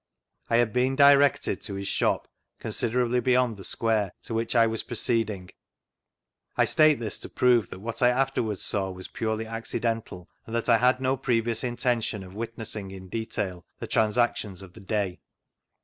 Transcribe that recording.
I had been directed to his shop, considerably beyond the square, to which I was pro ceeding. I state this to prove that what I afterwards saw was purely accidental, and that I had no [»'evious intention of witnessing in detail the transacdoos of : !he day.